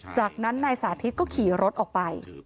จากนั้นนายสาธิตก็ขี่รถออกไป